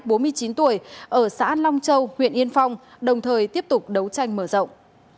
bốn mươi chín tuổi ở xã long châu huyện yên phong đồng thời tiếp tục đấu tranh mở rộng